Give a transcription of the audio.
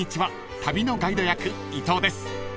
旅のガイド役伊藤です］